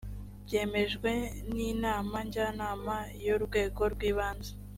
byemejwe n inama njyanama y urwego rw ibanze